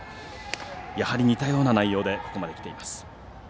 やはり似たような内容でここまできています。